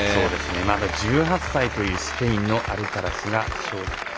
まだ１８歳というスペインのアルカラスが勝利しました。